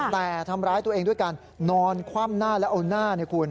แต่ทำร้ายตัวเองด้วยการนอนคว่ำหน้าและเอาหน้า